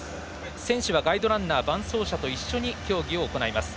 選手はガイドランナー伴走者と一緒に競技を行います。